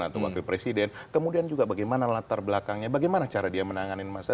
atau wakil presiden kemudian juga bagaimana latar belakangnya bagaimana cara dia menanganin masa